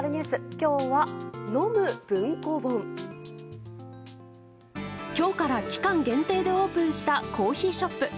今日から期間限定でオープンしたコーヒーショップ。